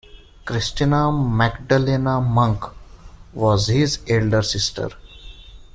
Krystyna Magdalena Munk was his elder sister.